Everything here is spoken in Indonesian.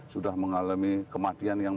sudah mengalami kematian yang